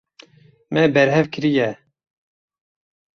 Me berhev kiriye.